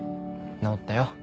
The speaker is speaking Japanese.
直ったよ。